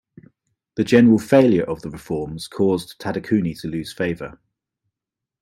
The general failure of the Reforms caused Tadakuni to lose favor.